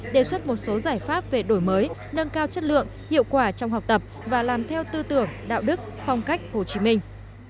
đề xuất một số giải pháp về đổi mới nâng cao chất lượng hiệu quả trong học tập và làm theo tư tưởng đạo đức phong cách hồ chí minh